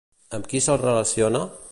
Amb qui se'l relaciona?